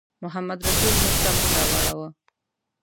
محمدرسول موږ ته مخ راواړاوه.